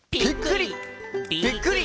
「びっくり！